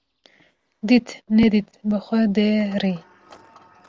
Dît nedît bi xwe de rî